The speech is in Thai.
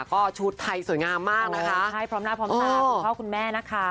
ก็ชุดไทยสวยงามมากนะคะใช่พร้อมหน้าพร้อมตาคุณพ่อคุณแม่นะคะ